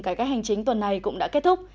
cải cách hành chính tuần này cũng đã kết thúc